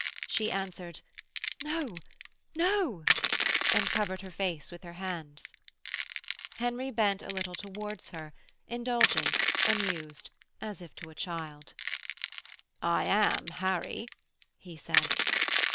She answered: 'No, no,' and covered her face with her hands. Henry bent a little towards her, indulgent, amused, and gentle as if to a child. 'I am Harry,' he said.